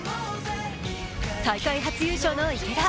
大会初優勝の池田。